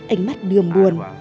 ánh mắt đường buồn